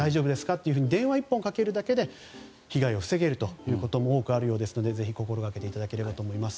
と電話一本かけるだけで被害を防げることも多くあるようですのでぜひ心がけていただければと思います。